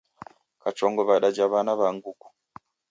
Kachongo w'adaja w'ana wa nguku